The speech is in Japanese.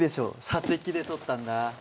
射的で取ったんだ。